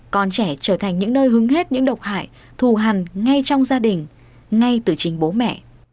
con trẻ trở thành những nơi hứng hết những độc hại thù hẳn ngay trong gia đình ngay từ chính bố mẹ